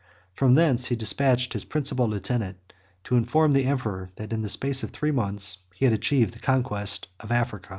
From thence he despatched his principal lieutenant, to inform the emperor, that in the space of three months he had achieved the conquest of Africa.